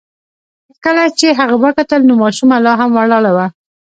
کله چې هغه وکتل نو ماشومه لا هم ولاړه وه.